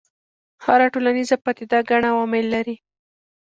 هره ټولنیزه پدیده ګڼ عوامل لري.